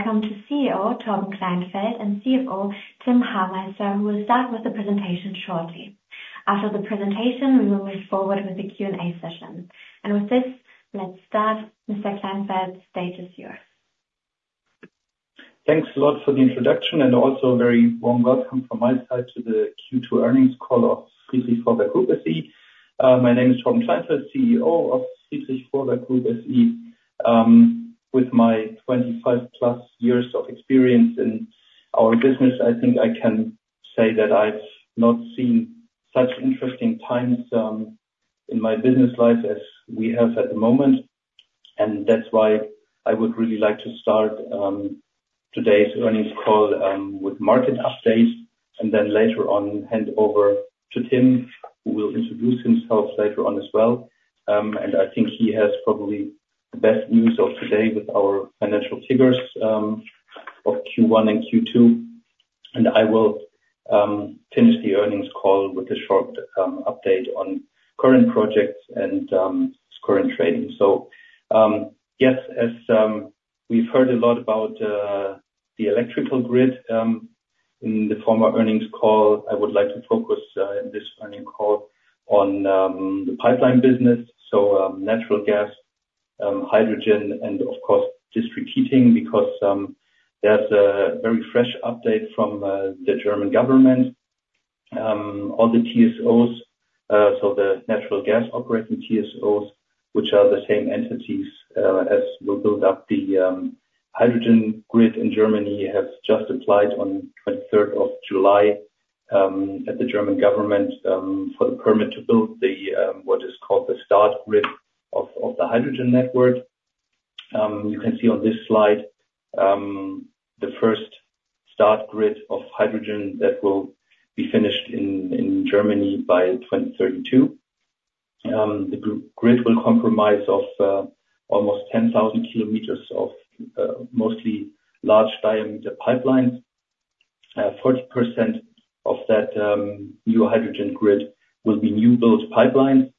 Welcome to CEO Torben Kleinfeldt and CFO Tim Hameister, who will start with the presentation shortly. After the presentation, we will move forward with the Q&A session. With this, let's start. Mr. Kleinfeldt, the stage is yours. Thanks a lot for the introduction, and also a very warm welcome from my side to the Q2 earnings call of Friedrich Vorwerk Group SE. My name is Torben Kleinfeldt, CEO of Friedrich Vorwerk Group SE. With my 25+ years of experience in our business, I think I can say that I've not seen such interesting times in my business life as we have at the moment. That's why I would really like to start today's earnings call with market updates, and then later on, hand over to Tim, who will introduce himself later on as well. And I think he has probably the best news of today with our financial figures of Q1 and Q2. And I will finish the earnings call with a short update on current projects and current trading. So, yes, as we've heard a lot about the electrical grid in the former earnings call, I would like to focus in this earnings call on the pipeline business, so natural gas, hydrogen, and of course, district heating, because there's a very fresh update from the German government on the TSOs. So the natural gas operating TSOs, which are the same entities as we build up the hydrogen grid in Germany, have just applied on 23rd of July at the German government for the permit to build the what is called the start grid of the hydrogen network. You can see on this slide the first start grid of hydrogen that will be finished in Germany by 2032. The grid will comprise of almost 10,000 kilometers of mostly large diameter pipelines. 40% of that new hydrogen grid will be new built pipelines.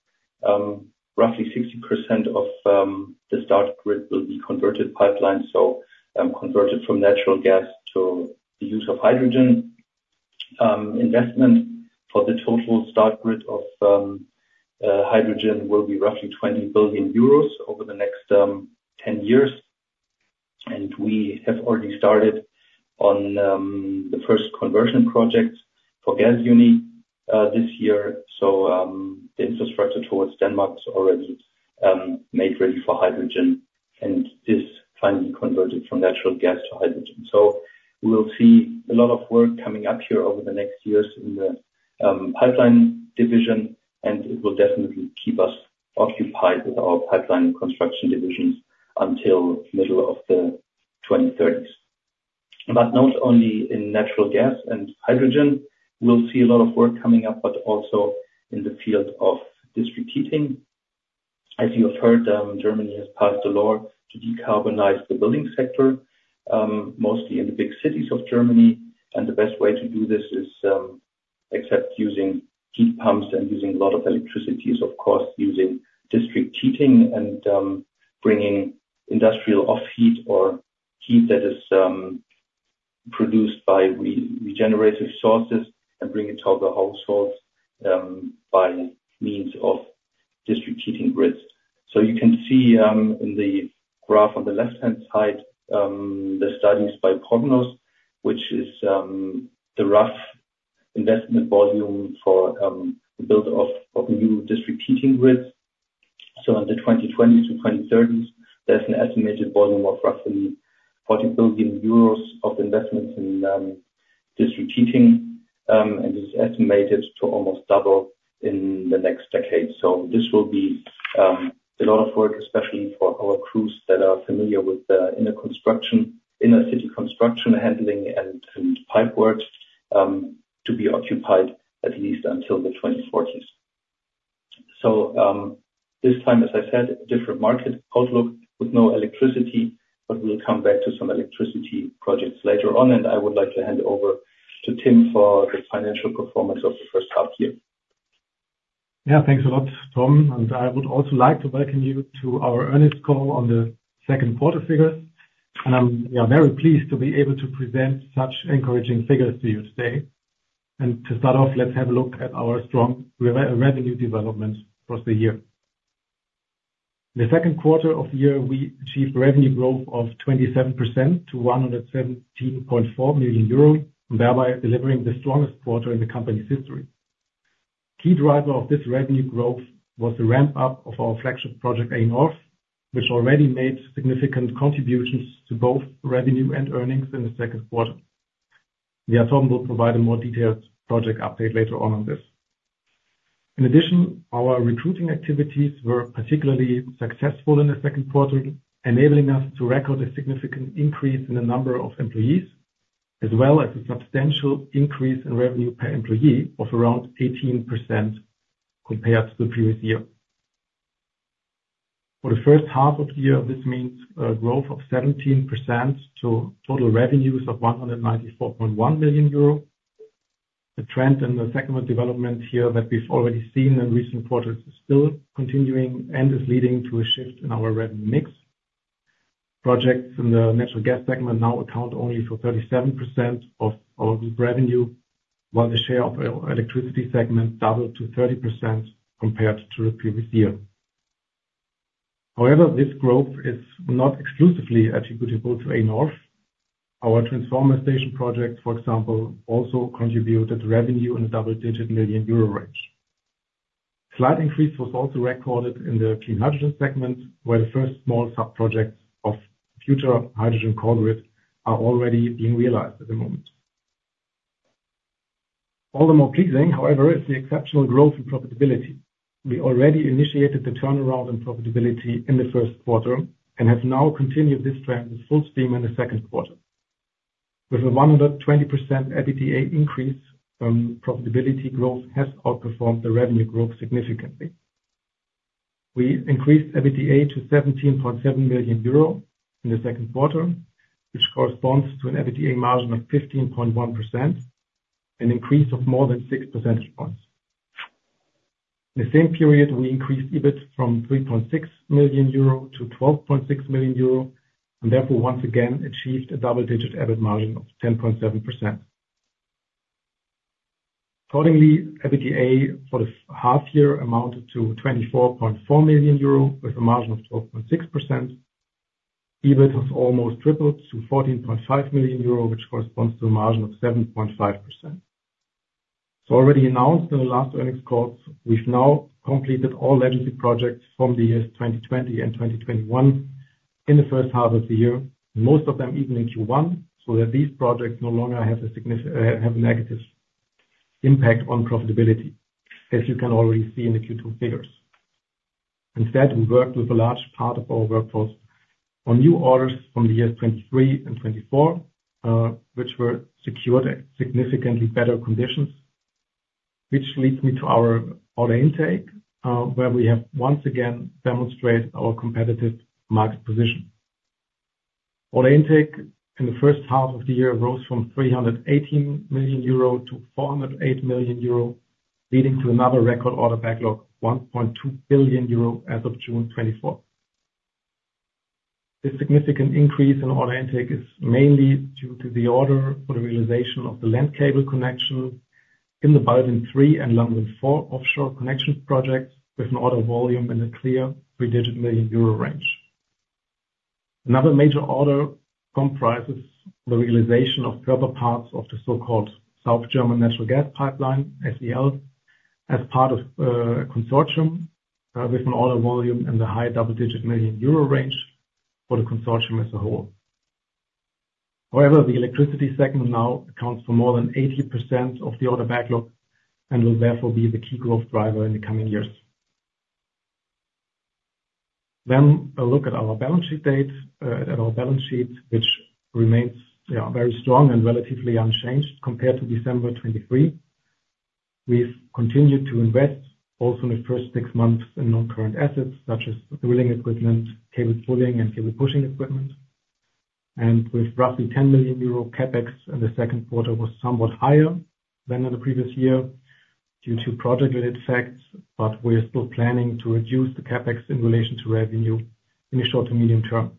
Roughly 60% of the start grid will be converted pipelines, so converted from natural gas to the use of hydrogen. Investment for the total start grid of hydrogen will be roughly 20 billion euros over the next 10 years. And we have already started on the first conversion project for Gasunie this year. So, the infrastructure towards Denmark is already made ready for hydrogen, and is finally converted from natural gas to hydrogen. So we will see a lot of work coming up here over the next years in the pipeline division, and it will definitely keep us occupied with our pipeline construction divisions until the middle of the 2030s. But not only in natural gas and hydrogen, we'll see a lot of work coming up, but also in the field of district heating. As you have heard, Germany has passed a law to decarbonize the building sector, mostly in the big cities of Germany, and the best way to do this is, except using heat pumps and using a lot of electricity, is of course using district heating and bringing industrial off heat or heat that is produced by regenerative sources and bring it to all the households by means of district heating grids. So you can see, in the graph on the left-hand side, the studies by Prognos, which is the rough investment volume for the build of new district heating grids. So in the 2020s to 2030s, there's an estimated volume of roughly 40 billion euros of investments in district heating, and it's estimated to almost double in the next decade. So this will be a lot of work, especially for our crews that are familiar with the inner construction, inner city construction, handling and pipe works, to be occupied at least until the 2040s. So this time, as I said, different market outlook with no electricity, but we'll come back to some electricity projects later on, and I would like to hand over to Tim for the financial performance of the first half year. Yeah, thanks a lot, Torben, and I would also like to welcome you to our earnings call on the second quarter figures. I'm, yeah, very pleased to be able to present such encouraging figures to you today. To start off, let's have a look at our strong revenue development across the year. The second quarter of the year, we achieved revenue growth of 27% to 117.4 million euros, and thereby delivering the strongest quarter in the company's history. Key driver of this revenue growth was the ramp up of our flagship project, A-Nord, which already made significant contributions to both revenue and earnings in the second quarter. Yeah, Torben will provide a more detailed project update later on this. In addition, our recruiting activities were particularly successful in the second quarter, enabling us to record a significant increase in the number of employees, as well as a substantial increase in revenue per employee of around 18% compared to the previous year. For the first half of the year, this means a growth of 17% to total revenues of 194.1 million euro... The trend in the segment development here that we've already seen in recent quarters is still continuing and is leading to a shift in our revenue mix. Projects in the natural gas segment now account only for 37% of our group revenue, while the share of our electricity segment doubled to 30% compared to the previous year. However, this growth is not exclusively attributable to A-Nord. Our transformer station project, for example, also contributed to revenue in a double-digit million EUR range. Slight increase was also recorded in the clean hydrogen segment, where the first small sub-projects of future hydrogen corridors are already being realized at the moment. All the more pleasing, however, is the exceptional growth and profitability. We already initiated the turnaround in profitability in the first quarter, and have now continued this trend with full steam in the second quarter. With a 120% EBITDA increase from profitability growth, has outperformed the revenue growth significantly. We increased EBITDA to 17.7 million euro in the second quarter, which corresponds to an EBITDA margin of 15.1%, an increase of more than six percentage points. In the same period, we increased EBIT from 3.6 million euro to 12.6 million euro, and therefore, once again, achieved a double-digit EBIT margin of 10.7%. Accordingly, EBITDA for the half year amounted to 24.4 million euro, with a margin of 12.6%. EBIT has almost tripled to 14.5 million euro, which corresponds to a margin of 7.5%. So already announced in the last earnings calls, we've now completed all legacy projects from the years 2020 and 2021 in the first half of the year, most of them even in Q1, so that these projects no longer have a negative impact on profitability, as you can already see in the Q2 figures. Instead, we worked with a large part of our workforce on new orders from the years 2023 and 2024, which were secured at significantly better conditions. Which leads me to our order intake, where we have once again demonstrated our competitive market position. Order intake in the first half of the year rose from 318 million euro to 408 million euro, leading to another record order backlog, 1.2 billion euro as of June 2024. This significant increase in order intake is mainly due to the order for the realization of the land cable connection in the BalWin3 and LanWin4 offshore connections projects, with an order volume in a clear three-digit million EUR range. Another major order comprises the realization of further parts of the so-called South German Natural Gas Pipeline, SEL, as part of a consortium with an order volume in the high double-digit million EUR range for the consortium as a whole. However, the electricity segment now accounts for more than 80% of the order backlog, and will therefore be the key growth driver in the coming years. Then, a look at our balance sheet date, at our balance sheet, which remains, yeah, very strong and relatively unchanged compared to December 2023. We've continued to invest also in the first six months in non-current assets, such as drilling equipment, cable pulling, and cable pushing equipment. With roughly 10 million euro CapEx, the second quarter was somewhat higher than in the previous year due to project-related effects, but we are still planning to reduce the CapEx in relation to revenue in the short to medium term.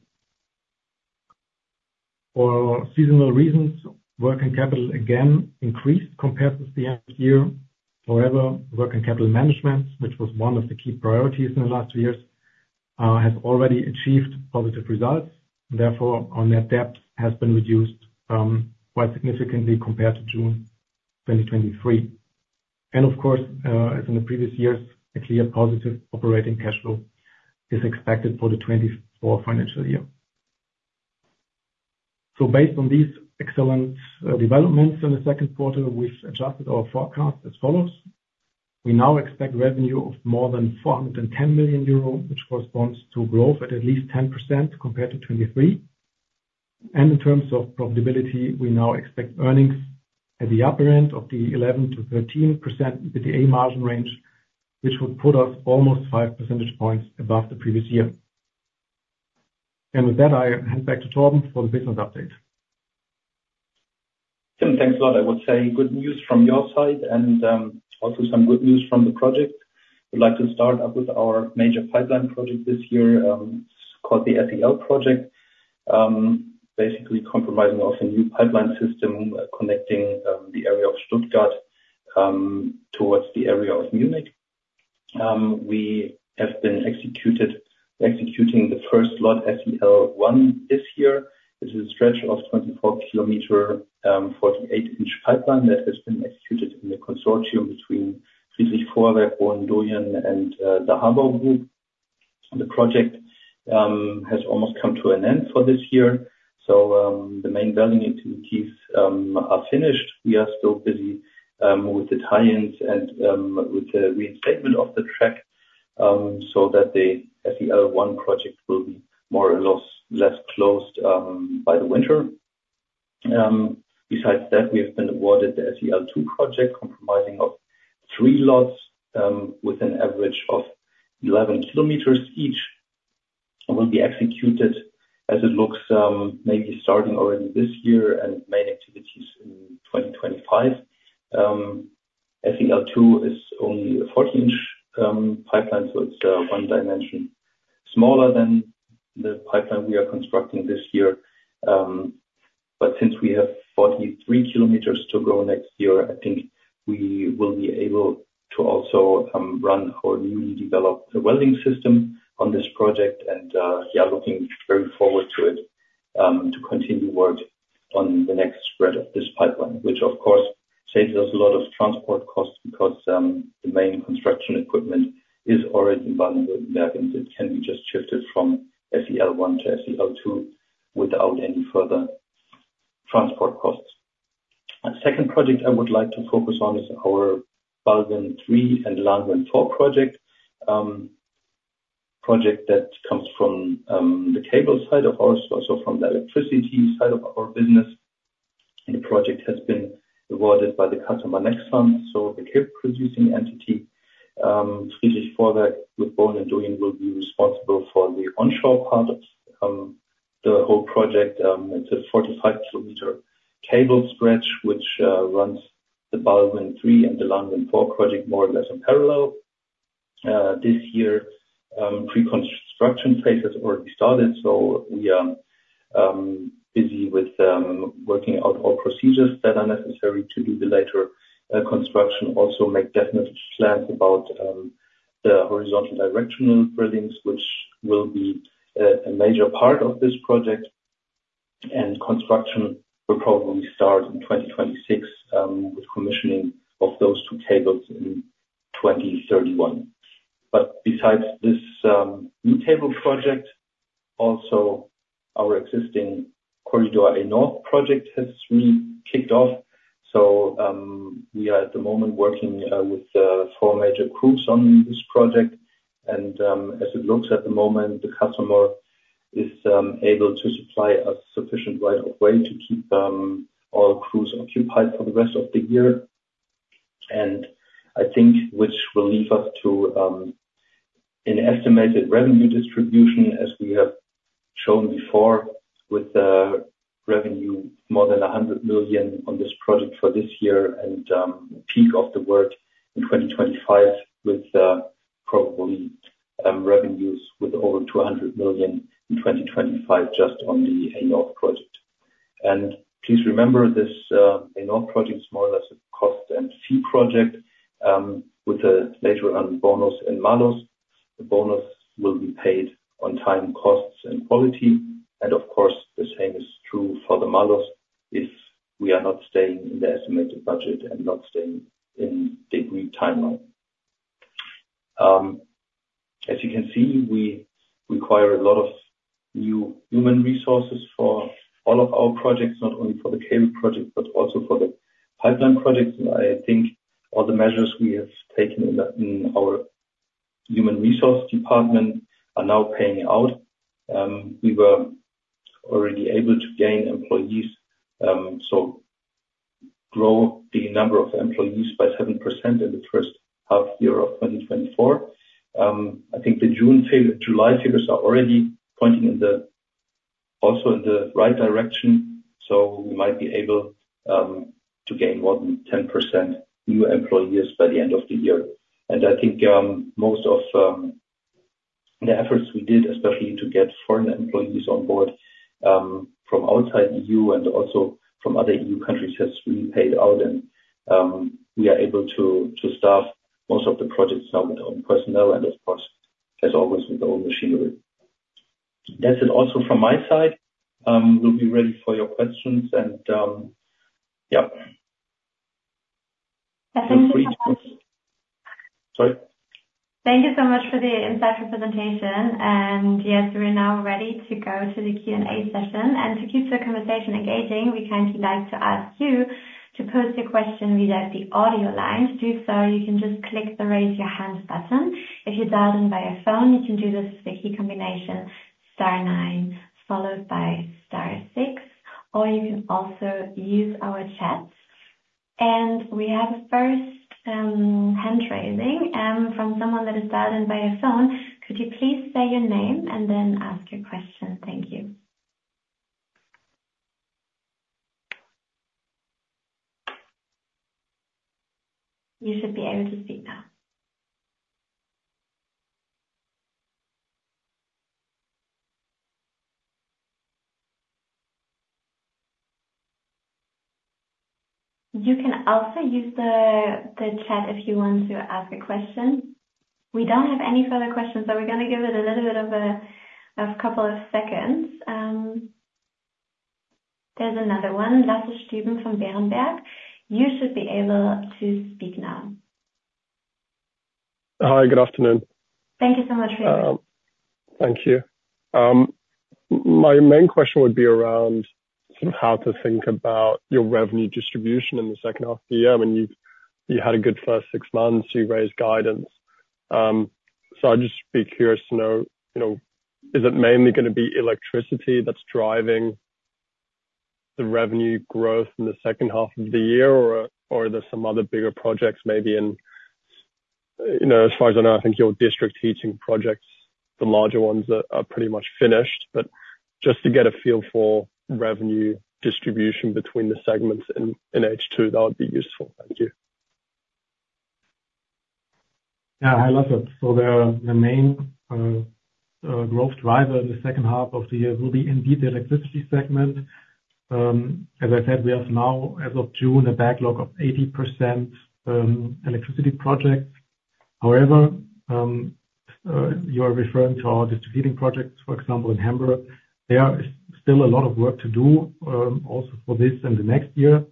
For seasonal reasons, working capital again increased compared to the end of the year. However, working capital management, which was one of the key priorities in the last few years, has already achieved positive results. Therefore, our net debt has been reduced, quite significantly compared to June 2023. And of course, as in the previous years, a clear positive operating cash flow is expected for the 2024 financial year. Based on these excellent developments in the second quarter, we've adjusted our forecast as follows: We now expect revenue of more than 410 million euro, which corresponds to growth of at least 10% compared to 2023. And in terms of profitability, we now expect earnings at the upper end of the 11%-13% EBITDA margin range, which would put us almost five percentage points above the previous year. With that, I hand back to Torben for the business update. Tim, thanks a lot. I would say good news from your side and also some good news from the project. I'd like to start up with our major pipeline project this year, it's called the SEL project. Basically compromising of a new pipeline system connecting the area of Stuttgart towards the area of Munich. We have been executing the first lot, SEL 1, this year. This is a stretch of 24 kilometer, 48-inch pipeline that has been executed in the consortium between Friedrich Vorwerk, Bohlen & Doyen, and the HABAU. The project has almost come to an end for this year, so the main building activities are finished. We are still busy with the tie-ins and with the reinstatement of the track, so that the SEL 1 project will be more or less closed by the winter. Besides that, we have been awarded the SEL 2 project, comprising of three lots with an average of 11 km each, will be executed as it looks, maybe starting already this year and main activities in 2025. SEL2 is only a 14-inch pipeline, so it's one dimension smaller than the pipeline we are constructing this year. But since we have 43 km to go next year, I think we will be able to also run our newly developed welding system on this project. We are looking very forward to it, to continue work on the next spread of this pipeline, which, of course, saves us a lot of transport costs because the main construction equipment is already in BalWin3, and it can be just shifted from SEL1 to SEL2 without any further transport costs. A second project I would like to focus on is our BalWin3 and LanWin4 project. Project that comes from the cable side of us, also from the electricity side of our business. The project has been awarded by the customer next month, so the cable producing entity finished for that, with Bohlen & Doyen will be responsible for the onshore part of the whole project. It's a 45-kilometer cable stretch, which runs the BalWin3 and the LanWin4 project more or less in parallel. This year, pre-construction phases already started, so we are busy with working out all procedures that are necessary to do the later construction. Also, make definite plans about the horizontal directional drillings, which will be a major part of this project. Construction will probably start in 2026, with commissioning of those two cables in 2031. But besides this new cable project, also our existing A-Nord project has really kicked off. So, we are at the moment working with four major crews on this project, and, as it looks at the moment, the customer is able to supply a sufficient right of way to keep all crews occupied for the rest of the year. I think, which will lead us to an estimated revenue distribution, as we have shown before, with revenue more than 100 million on this project for this year, and peak of the work in 2025, with probably revenues with over 200 million in 2025 just on the A-Nord project. Please remember this A-Nord project is more or less a cost and fee project, with a later on bonus and malus. The bonus will be paid on time, costs, and quality, and of course, the same is true for the malus if we are not staying in the estimated budget and not staying in the agreed timeline. As you can see, we require a lot of new human resources for all of our projects, not only for the cable project, but also for the pipeline projects. I think all the measures we have taken in our human resource department are now paying out. We were already able to gain employees, so grow the number of employees by 7% in the first half year of 2024. I think the June figure, July figures are already pointing also in the right direction, so we might be able to gain more than 10% new employees by the end of the year. And I think most of the efforts we did, especially to get foreign employees on board, from outside EU and also from other EU countries, has really paid out. We are able to staff most of the projects now with our own personnel and of course, as always, with our own machinery. That's it also from my side. We'll be ready for your questions and, yeah. Thank you so much- Sorry. Thank you so much for the insightful presentation. And yes, we're now ready to go to the Q&A session. And to keep the conversation engaging, we kindly like to ask you to post your question via the audio line. To do so, you can just click the Raise Your Hand button. If you dialed in by a phone, you can do this with the key combination star nine, followed by star six, or you can also use our chat. And we have a first hand-raising from someone that is dialed in by a phone. Could you please say your name and then ask your question? Thank you. You should be able to speak now. You can also use the chat if you want to ask a question. We don't have any further questions, so we're gonna give it a little bit of a couple of seconds. There's another one, Lasse Stüben from Berenberg. You should be able to speak now. Hi, good afternoon. Thank you so much for waiting. Thank you. My main question would be around sort of how to think about your revenue distribution in the second half of the year. I mean, you, you had a good first six months, you raised guidance. So I'd just be curious to know, you know, is it mainly gonna be electricity that's driving the revenue growth in the second half of the year, or are there some other bigger projects maybe in, you know, as far as I know, I think your district heating projects, the larger ones, are pretty much finished. But just to get a feel for revenue distribution between the segments in H2, that would be useful. Thank you. Yeah, hi, Lasse. So the main growth driver in the second half of the year will be indeed the electricity segment. As I said, we have now, as of June, a backlog of 80% electricity projects. However, you are referring to our district heating projects, for example, in Hamburg. There are still a lot of work to do, also for this and the next year.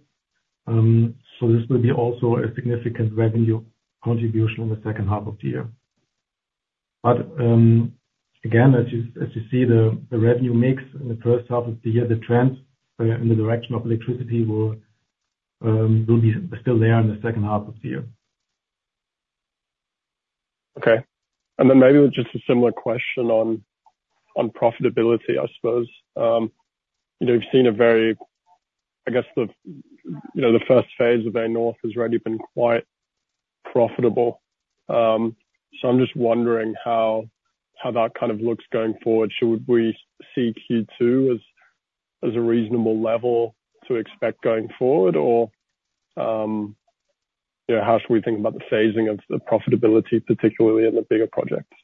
So this will be also a significant revenue contribution in the second half of the year. But, again, as you see, the revenue mix in the first half of the year, the trends in the direction of electricity will be still there in the second half of the year. Okay. And then maybe just a similar question on profitability, I suppose. You know, we've seen a very—I guess the, you know, the first phase of A-Nord has already been quite profitable. So I'm just wondering how that kind of looks going forward. Should we see Q2 as a reasonable level to expect going forward? Or, you know, how should we think about the phasing of the profitability, particularly in the bigger projects?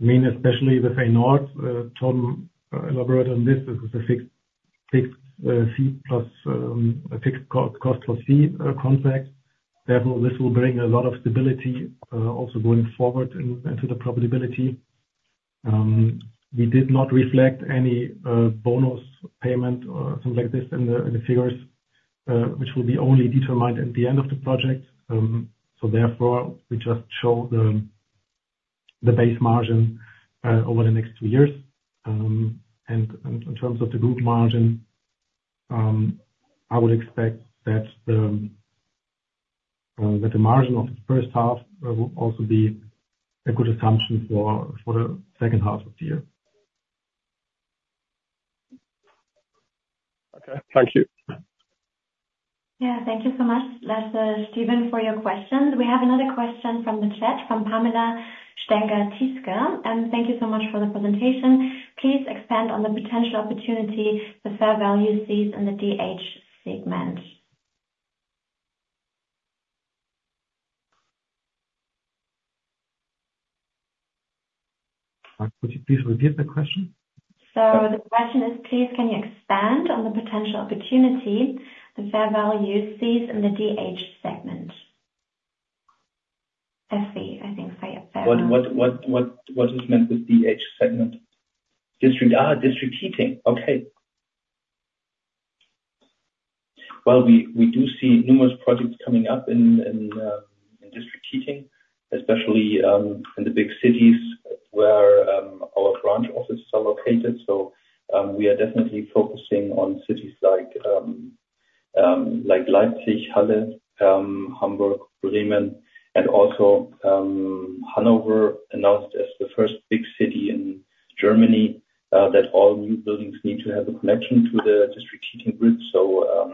I mean, especially with A-Nord, Tim elaborated on this. This is a fixed fee plus a fixed cost plus fee contract. Therefore, this will bring a lot of stability, also going forward into the profitability. We did not reflect any bonus payment or something like this in the figures, which will be only determined at the end of the project. So therefore, we just show the base margin over the next two years. And in terms of the group margin, I would expect that the margin of the first half will also be a good assumption for the second half of the year. Okay, thank you. Yeah. Yeah, thank you so much, Lasse Stüben, for your questions. We have another question from the chat, from Pamela Stenger-Tismer, and thank you so much for the presentation. Please expand on the potential opportunity the fair value sees in the DH segment. Could you please repeat the question? The question is, please, can you expand on the potential opportunity the fair value sees in the DH segment? Let's see, I think I have there. What is meant with DH segment? District, district heating. Okay. Well, we do see numerous projects coming up in district heating, especially in the big cities where our branch offices are located. So, we are definitely focusing on cities like Leipzig, Halle, Hamburg, Bremen, and also Hanover, announced as the first big city in Germany that all new buildings need to have a connection to the district heating grid. So,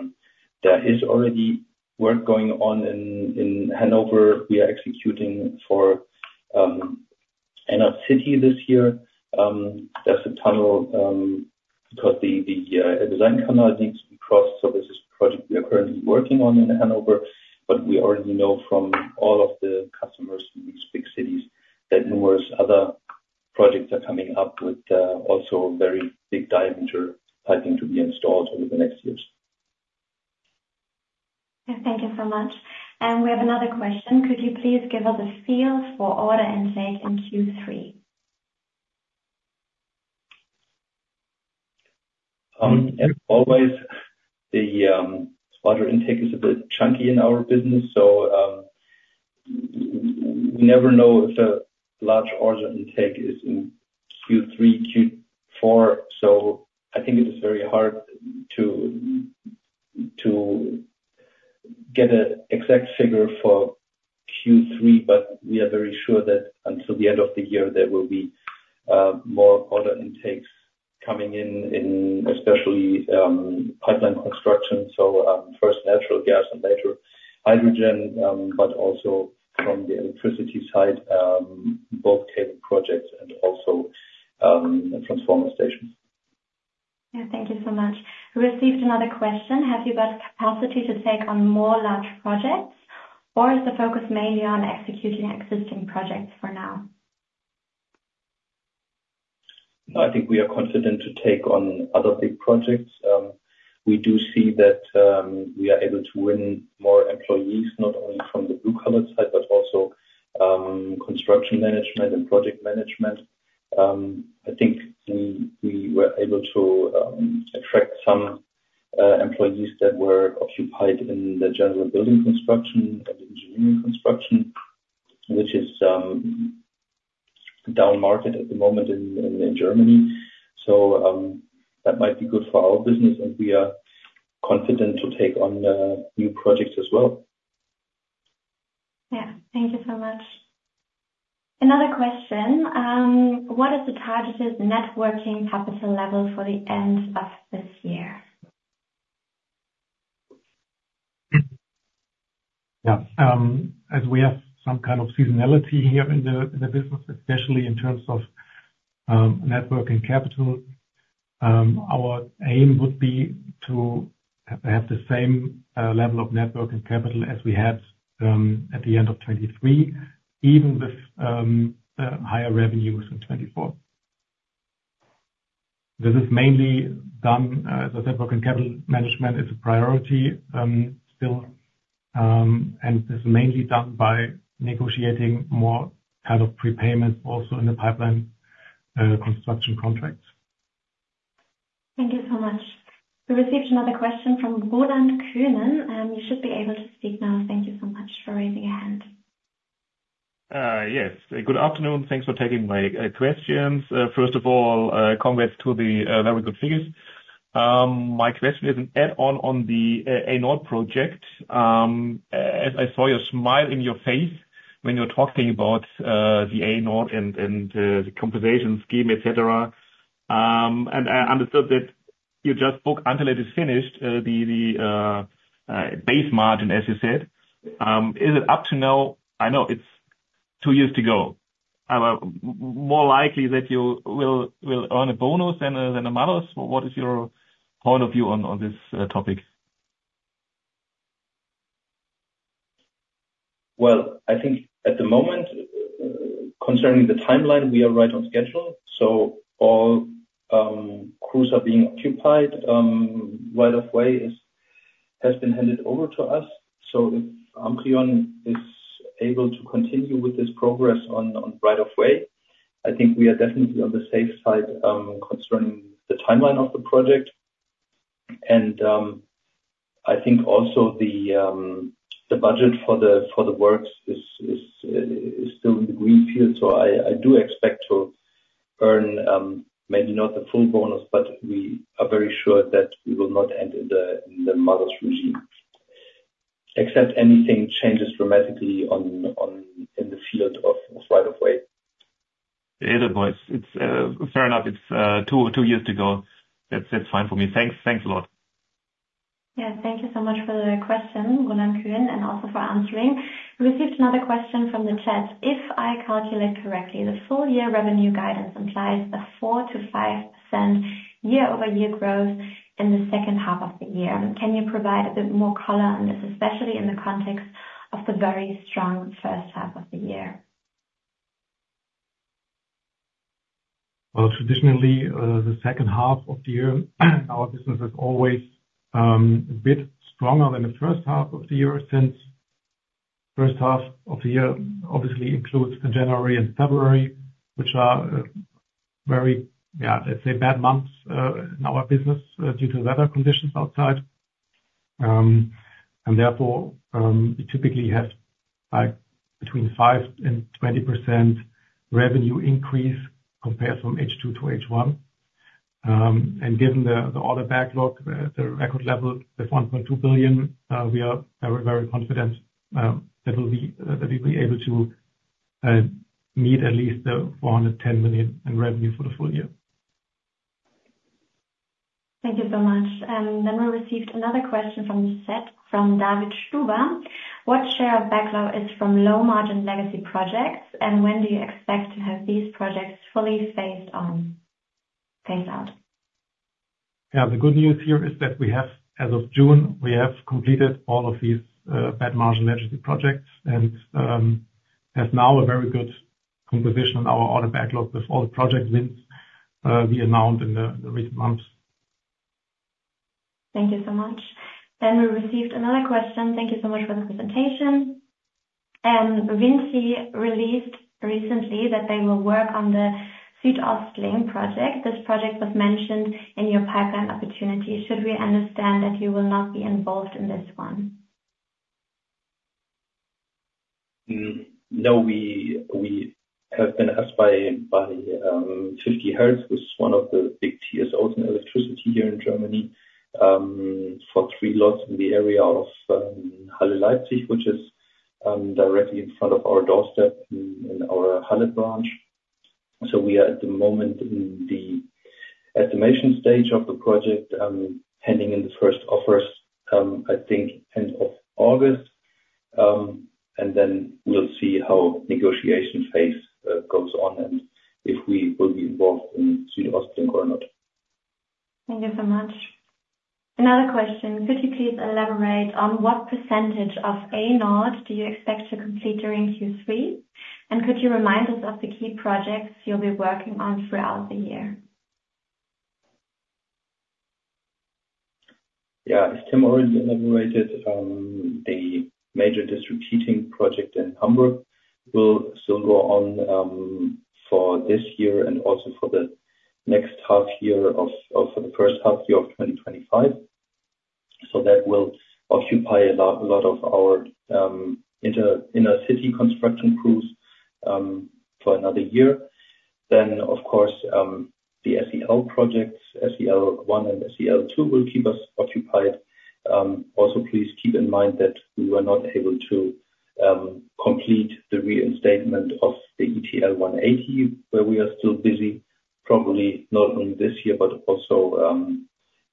there is already work going on in Hanover. We are executing for in our city this year. There's a tunnel because the design tunnel needs to be crossed, so this is a project we are currently working on in Hanover. But we already know from all of the customers in these big cities that numerous other projects are coming up with also very big diameter piping to be installed over the next years. Yeah. Thank you so much. We have another question: Could you please give us a feel for order intake in Q3? As always, the order intake is a bit chunky in our business, so we never know if a large order intake is in Q3, Q4. So I think it is very hard to get an exact figure for Q3, but we are very sure that until the end of the year, there will be more order intakes coming in, especially in pipeline construction, so first natural gas and later hydrogen, but also from the electricity side, both cable projects and also transformer stations. Yeah. Thank you so much. We received another question: Have you got capacity to take on more large projects, or is the focus mainly on executing existing projects for now? I think we are confident to take on other big projects. We do see that we are able to win more employees, not only from the blue-collar side, but also construction management and project management. I think we were able to attract some employees that were occupied in the general building construction and engineering construction, which is downmarket at the moment in Germany. So, that might be good for our business, and we are confident to take on new projects as well.... Yeah, thank you so much. Another question, what is the targeted working capital level for the end of this year? Yeah. As we have some kind of seasonality here in the business, especially in terms of network and capital, our aim would be to have the same level of network and capital as we had at the end of 2023, even with higher revenues in 2024. This is mainly done, as I said, working capital management is a priority still, and this is mainly done by negotiating more out of prepayments also in the pipeline construction contracts. Thank you so much. We received another question from Roland Konen, and you should be able to speak now. Thank you so much for raising your hand. Yes. Good afternoon. Thanks for taking my questions. First of all, congrats to the very good figures. My question is an add-on on the A-Nord project. As I saw your smile in your face when you were talking about the A-Nord and the compensation scheme, et cetera, and I understood that you just book until it is finished the base margin, as you said. Is it up to now? I know it's two years to go. More likely that you will earn a bonus than a malus. What is your point of view on this topic? Well, I think at the moment, concerning the timeline, we are right on schedule, so all crews are being occupied. Right of way has been handed over to us. So if Amprion is able to continue with this progress on right of way, I think we are definitely on the safe side concerning the timeline of the project. And I think also the budget for the works is still in the green field. So I do expect to earn maybe not the full bonus, but we are very sure that we will not end in the bonus regime, except anything changes dramatically on in the field of right of way. Yeah, but it's fair enough. It's two, two years to go. That's, that's fine for me. Thanks. Thanks a lot. Yeah, thank you so much for the question, Roland Konen, and also for answering. We received another question from the chat. If I calculate correctly, the full year revenue guidance implies a 4%-5% year-over-year growth in the second half of the year. Can you provide a bit more color on this, especially in the context of the very strong first half of the year? Well, traditionally, the second half of the year, our business is always a bit stronger than the first half of the year, since first half of the year obviously includes January and February, which are very, yeah, let's say, bad months in our business due to weather conditions outside. And therefore, you typically have, like, between 5% and 20% revenue increase compared from H2 to H1. And given the order backlog, the record level, the 1.2 billion, we are very, very confident that we'll be able to meet at least the 410 million in revenue for the full year. Thank you so much. And then we received another question from the chat from David Stüber. What share of backlog is from low-margin legacy projects, and when do you expect to have these projects fully phased out? Yeah, the good news here is that we have, as of June, we have completed all of these bad margin legacy projects, and have now a very good composition on our order backlog with all the project wins we announced in the recent months. Thank you so much. We received another question. Thank you so much for the presentation. VINCI released recently that they will work on the SuedOstLink project. This project was mentioned in your pipeline opportunities. Should we understand that you will not be involved in this one? No, we have been asked by 50Hertz, which is one of the big TSOs in electricity here in Germany, for 3 lots in the area of Halle-Leipzig, which is directly in front of our doorstep in our Halle branch. So we are at the moment in the estimation stage of the project, handing in the first offers, I think, end of August. And then we'll see how negotiation phase goes on, and if we will be involved in SuedOstLink or not. Thank you so much. Another question: Could you please elaborate on what percentage of A-Nord do you expect to complete during Q3? And could you remind us of the key projects you'll be working on throughout the year? Yeah. As Tim already elaborated, the major district heating project in Hamburg will still go on, for this year and also for the next half year of the first half year of 2025. So that will occupy a lot, a lot of our inner city construction crews for another year. Then, of course, the SEL projects, SEL One and SEL Two will keep us occupied. Also, please keep in mind that we were not able to complete the reinstatement of the ETL 180, where we are still busy, probably not only this year, but also,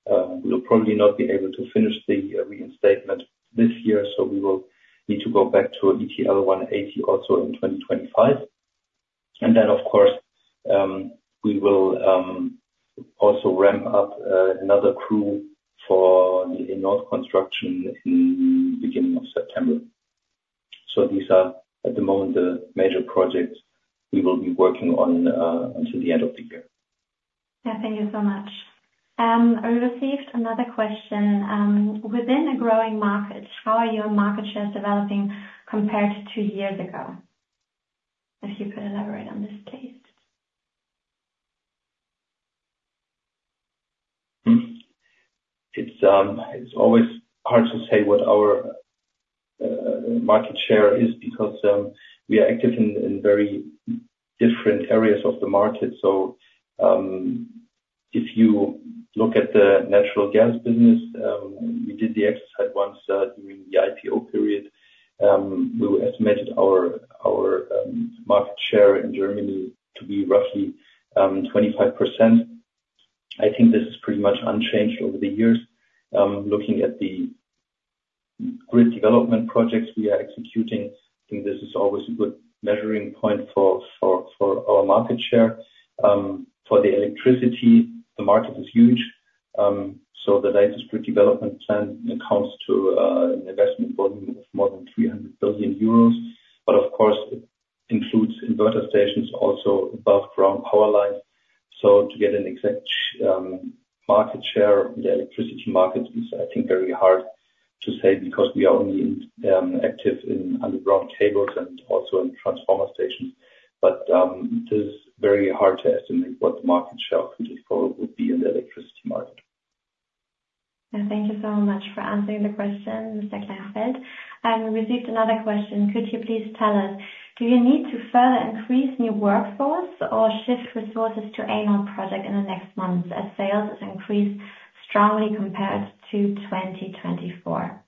we'll probably not be able to finish the reinstatement this year, so we will need to go back to ETL 180 also in 2025. And then, of course, we will also ramp up another crew for the A-Nord construction in the beginning of September. These are, at the moment, the major projects we will be working on until the end of the year. Yeah, thank you so much. I received another question. Within a growing market, how are your market shares developing compared to two years ago? If you could elaborate on this, please. Hmm. It's always hard to say what our market share is, because we are active in very different areas of the market. So, if you look at the natural gas business, we did the exercise once during the IPO period. We estimated our market share in Germany to be roughly 25%. I think this is pretty much unchanged over the years. Looking at the grid development projects we are executing, I think this is always a good measuring point for our market share. For the electricity, the market is huge. So the latest grid development plan accounts to an investment volume of more than 300 billion euros. But of course, it includes inverter stations, also above ground power lines. To get an exact market share of the electricity market is, I think, very hard to say, because we are only active in underground cables and also in transformer stations. It is very hard to estimate what the market share of RWE would be in the electricity market. Thank you so much for answering the question, Mr. Kleinfeldt. I received another question: Could you please tell us, do you need to further increase new workforce or shift resources to A-Nord project in the next months, as sales increase strongly compared to 2024?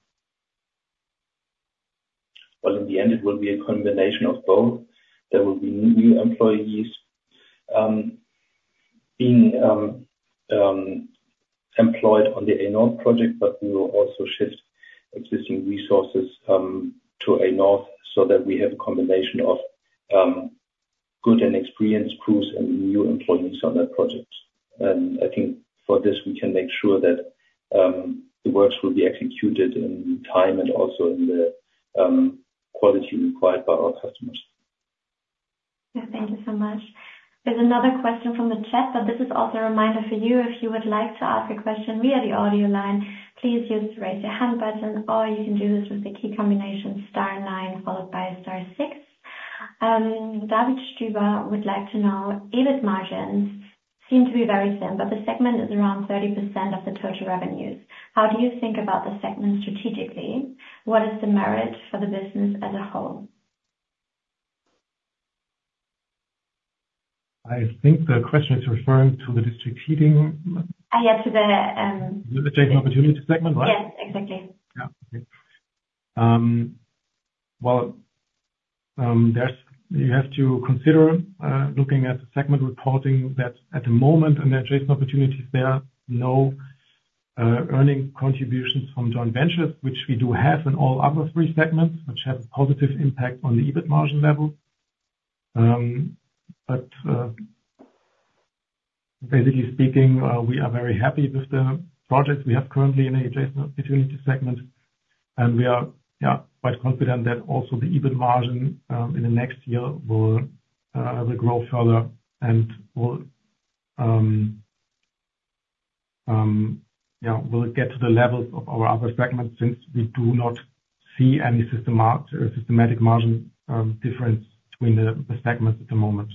Well, in the end, it will be a combination of both. There will be new employees being employed on the A-Nord project, but we will also shift existing resources to A-Nord, so that we have a combination of good and experienced crews and new employees on that project. I think for this, we can make sure that the works will be executed in time and also in the quality required by our customers. Yeah, thank you so much. There's another question from the chat, but this is also a reminder for you. If you would like to ask a question via the audio line, please use the Raise Your Hand button, or you can do this with the key combination star nine followed by star six. David Stüber would like to know, EBIT margins seem to be very slim, but the segment is around 30% of the total revenues. How do you think about the segment strategically? What is the merit for the business as a whole? I think the question is referring to the district heating. Yes, to the, Adjacent opportunity segment, right? Yes, exactly. Yeah. Okay. Well, there's you have to consider, looking at the segment reporting that at the moment, in adjacent opportunities, there are no earning contributions from joint ventures, which we do have in all other three segments, which have a positive impact on the EBIT margin level. But basically speaking, we are very happy with the projects we have currently in the adjacent opportunity segment, and we are, yeah, quite confident that also the EBIT margin in the next year will, will grow further and will, yeah, will get to the levels of our other segments, since we do not see any systematic margin difference between the, the segments at the moment.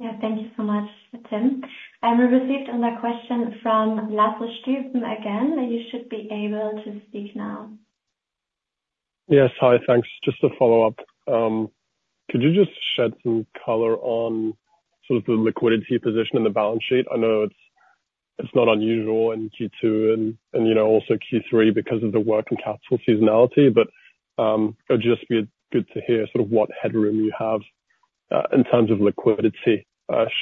Yeah. Thank you so much, Tim. We received another question from Lasse Stüben again, and you should be able to speak now. Yes. Hi, thanks. Just to follow up, could you just shed some color on sort of the liquidity position in the balance sheet? I know it's not unusual in Q2 and you know, also Q3 because of the working capital seasonality, but it'd just be good to hear sort of what headroom you have in terms of liquidity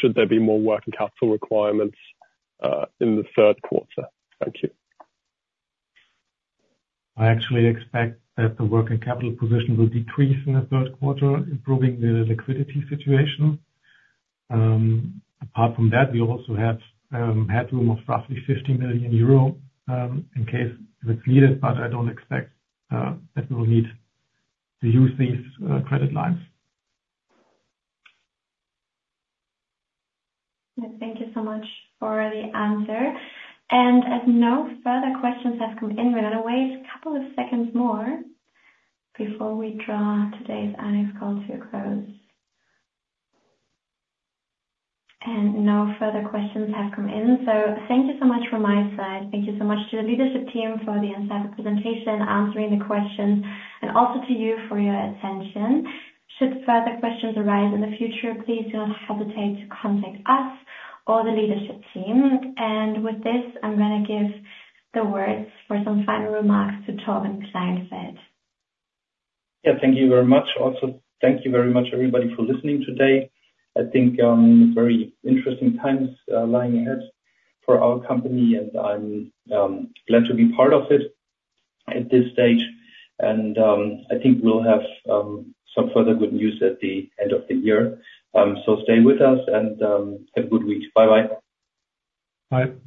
should there be more working capital requirements in the third quarter? Thank you. I actually expect that the working capital position will decrease in the third quarter, improving the liquidity situation. Apart from that, we also have headroom of roughly 50 million euro in case it's needed, but I don't expect that we will need to use these credit lines. Thank you so much for the answer. As no further questions have come in, we're gonna wait a couple of seconds more before we draw today's call to a close. No further questions have come in, so thank you so much from my side. Thank you so much to the leadership team for the inside presentation, answering the questions, and also to you for your attention. Should further questions arise in the future, please don't hesitate to contact us or the leadership team. With this, I'm gonna give the words for some final remarks to Torben Kleinfeldt. Yeah, thank you very much. Also, thank you very much, everybody, for listening today. I think very interesting times lying ahead for our company, and I'm glad to be part of it at this stage. And I think we'll have some further good news at the end of the year. So stay with us, and have a good week. Bye-bye. Bye.